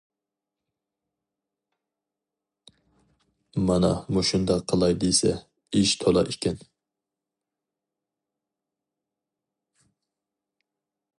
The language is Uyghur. مانا مۇشۇنداق، قىلاي دېسە ئىش تولا ئىكەن.